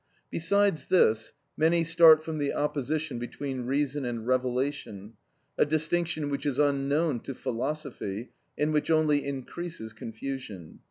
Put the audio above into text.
Besides this, many start from the opposition between reason and revelation, a distinction which is unknown to philosophy, and which only increases confusion.